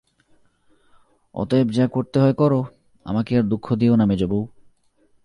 অতএব যা করতে হয় করো, আমাকে আর দুঃখ দিয়ো না মেজোবউ।